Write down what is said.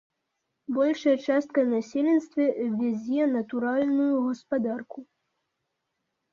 Большая частка насельніцтва вядзе натуральную гаспадарку.